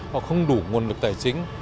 họ không đủ nguồn lực tài chính